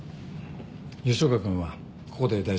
吉岡君はここで大丈夫だよ。